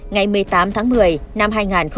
ngày một mươi tám tháng một mươi năm hai nghìn một mươi tám